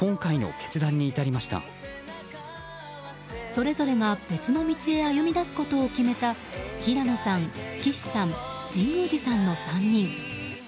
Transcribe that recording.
それぞれが別の道へ歩みだすことを決めた平野さん、岸さん、神宮寺さんの３人。